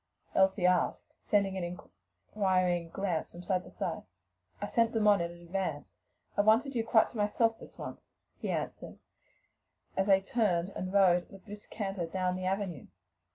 Elsie asked, sending an inquiring glance from side to side. "I sent them on in advance. I wanted you quite to myself this once," he answered, as they turned and rode at a brisk canter down the avenue.